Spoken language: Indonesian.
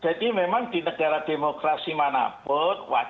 jadi memang di negara demokrasi manapun wajar kalau ada suara publik suara masyarakat sibil